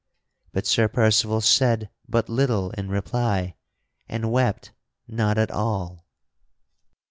But Sir Percival said but little in reply and wept not at all.